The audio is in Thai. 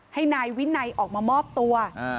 ให้นายวินัยออกมามอบตัว